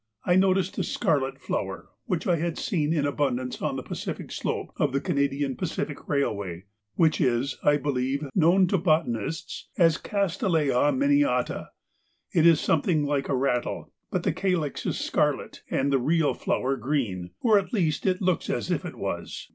I noticed a scarlet flower which I had seen in abundance on the Pacific slope of the Canadian Pacific Railway, which is, I believe, known to botanists as Castilleja miniata. It is something like a rattle, but the calyx is scarlet and the real flower green, or at least it looks as if it was.